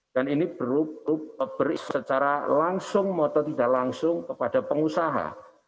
ini secara langsung atau tidak langsung kepada pengusaha